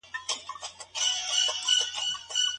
روژه بې اختره پای ته نه رسیږي.